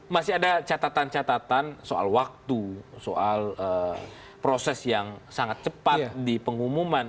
masih ada catatan catatan soal waktu soal proses yang sangat cepat di pengumuman